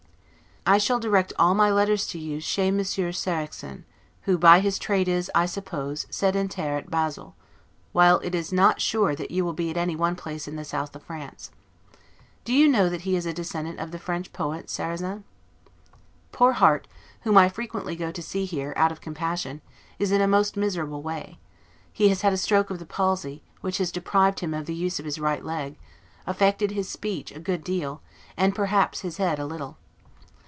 I shall direct all my letters to you 'Chez Monsieur Sarraxin', who by his trade is, I suppose, 'sedentaire' at Basle, while it is not sure that you will be at any one place in the south of France. Do you know that he is a descendant of the French poet Sarrazin? Poor Harte, whom I frequently go to see here, out of compassion, is in a most miserable way; he has had a stroke of the palsy, which has deprived him of the use of his right leg, affected his speech a good deal, and perhaps his head a little.